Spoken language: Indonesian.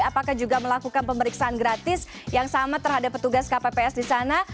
apakah juga melakukan pemeriksaan gratis yang sama terhadap petugas kpps di sana